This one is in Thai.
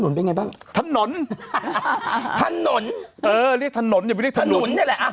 หวานหวานค่อยดู